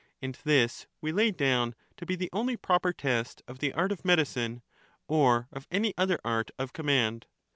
And this we lay down to be the only proper test of the art of medicine, or of any other art of command.